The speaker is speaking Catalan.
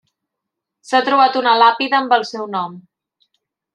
S'ha trobat una làpida amb el seu nom.